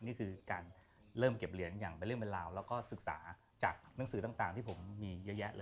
นี่คือการเริ่มเก็บเหรียญอย่างเป็นเรื่องเป็นราวแล้วก็ศึกษาจากหนังสือต่างที่ผมมีเยอะแยะเลย